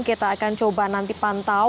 kita akan coba nanti pantau